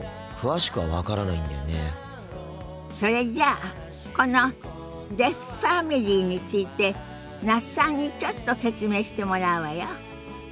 それじゃあこのデフファミリーについて那須さんにちょっと説明してもらうわよ。